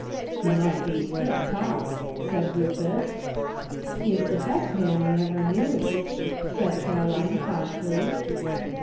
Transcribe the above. '' He must be tip top," said Rufus. ''He is the best man I ever knew," said Caroline promptly.